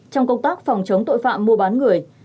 trong công tác phòng chống tội phạm mua bán người